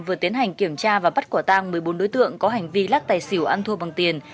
vừa tiến hành kiểm tra và bắt quả tang một mươi bốn đối tượng có hành vi lắc tài xỉu ăn thua bằng tiền